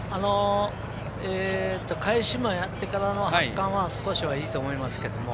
返し馬やってからの発汗は少しはいいと思いますけど。